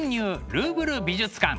ルーブル美術館」。